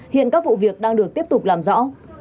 hiện các vụ việc đang được tiếp tục làm rõ